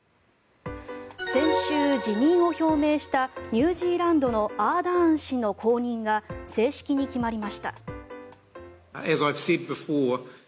先週、辞任を表明したニュージーランドのアーダーン氏の後任が正式に決まりました。